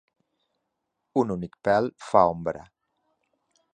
Un únic pel fa ombra